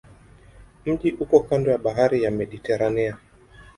Mji uko kando ya bahari ya Mediteranea.